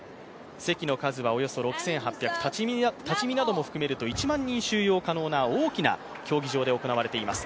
席の数は６８００立ち見なども含めると１万人収容可能な大きな競技場で行われています